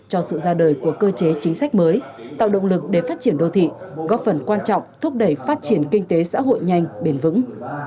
cho sự ra đời của cơ chế chính sách mới tạo động lực để phát triển đô thị góp phần quan trọng thúc đẩy phát triển kinh tế xã hội nhanh bền vững